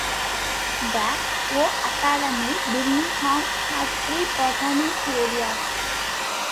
The O Academy Birmingham has three performance areas.